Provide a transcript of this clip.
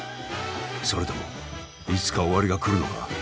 それともいつか終わりが来るのか？